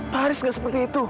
pak haris gak seperti itu